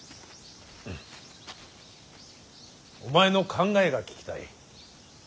お前の考えが聞きたい。